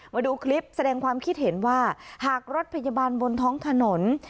มาดูคลิปแสดงความคิดเห็นว่าหากรถพยาบาลบนท้องถนน